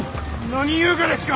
何言うがですか！？